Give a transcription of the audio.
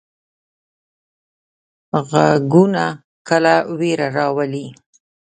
غږونه کله ویره راولي.